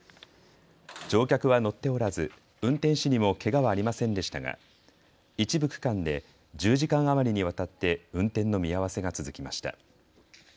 乗客は乗っておらず、運転士にもけがはありませんでしたが、一部区間で１０時間余りにわたって運転の見合わせが続きました。